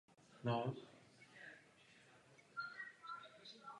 Jméno stanice je odvozeno od názvu nedaleké ulice "Rue Louis Blanc".